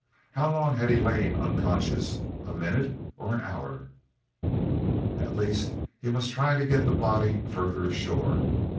How long had he lain unconscious a minute or an hour? At least, he must try to get the body farther ashore.